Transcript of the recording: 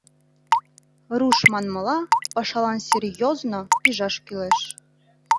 Руш манмыла, пашалан «серьёзно» пижаш кӱлеш.